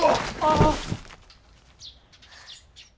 ああ。